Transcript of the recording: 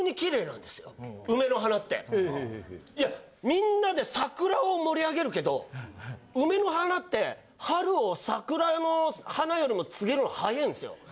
みんなで桜を盛り上げるけど梅の花って春を桜の花よりも告げるの早いんですよ。